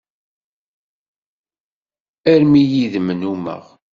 Armi yid-m nnumeɣ.